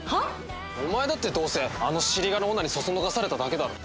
お前だってどうせあの尻軽女にそそのかされただけだろ。